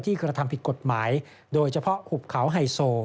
กระทำผิดกฎหมายโดยเฉพาะหุบเขาไฮโซ